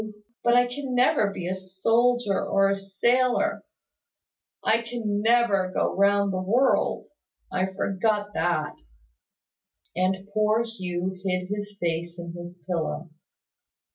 But I can never be a soldier or a sailor I can never go round the world! I forgot that." And poor Hugh hid his face in his pillow.